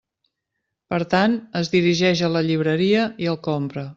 Per tant, es dirigeix a la llibreria i el compra.